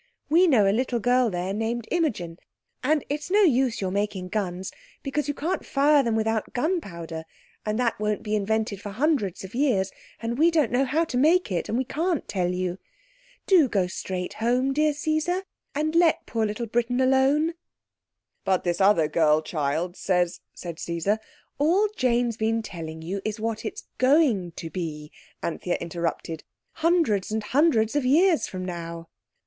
We know a little girl there named Imogen. And it's no use your making guns because you can't fire them without gunpowder, and that won't be invented for hundreds of years, and we don't know how to make it, and we can't tell you. Do go straight home, dear Caesar, and let poor little Britain alone." "But this other girl child says—" said Caesar. "All Jane's been telling you is what it's going to be," Anthea interrupted, "hundreds and hundreds of years from now."